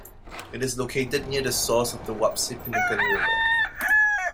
It is located near the source of the Wapsipinicon River.